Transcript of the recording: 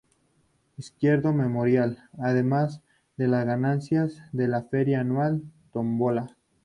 Izquierdo Memorial", además de las ganancias de la feria anual "Tómbola".